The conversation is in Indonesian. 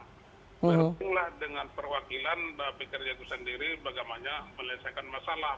bertemulah dengan perwakilan pekerja itu sendiri bagaimana melesaikan masalah